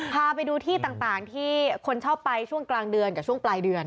พาไปดูที่ต่างที่คนชอบไปช่วงกลางเดือนกับช่วงปลายเดือน